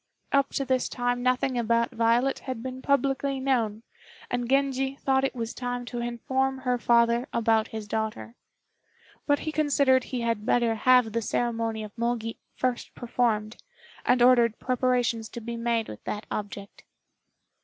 Up to this time nothing about Violet had been publicly known, and Genji thought it was time to inform her father about his daughter; but he considered he had better have the ceremony of Mogi first performed, and ordered preparations to be made with that object.